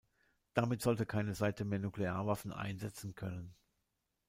Damit sollte keine Seite mehr Nuklearwaffen einsetzen können.